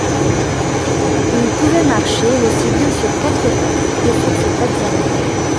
Il pouvait marcher aussi bien sur quatre pattes que sur ses pattes arrière.